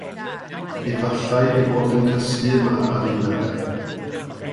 Efallai ei bod hi'n cysgu yma ar un adeg.